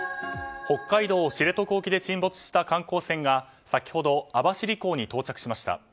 北海道知床沖で沈没した観光船が先ほど網走港に到着しました。